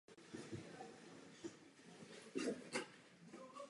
Japonská vláda korejské fotografické aktivity během druhé světové války hodně omezila.